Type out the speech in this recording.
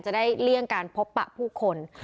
จะได้เลี่ยงการพบปะผู้คน